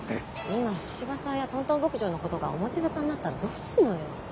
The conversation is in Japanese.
今神々さんやトントン牧場のことが表沙汰になったらどうするのよ？